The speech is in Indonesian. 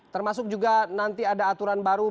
termasuk juga nanti ada aturan baru